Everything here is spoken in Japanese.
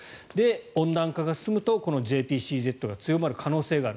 温暖化が進むとこのＪＰＣＺが強まる可能性がある。